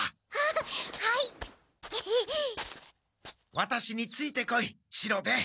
ワタシについてこい四郎兵衛。